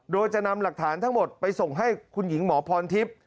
โดยจะนำหลักฐานทั้งหมดไปส่งให้คุณหญิงหมอพรทิพย์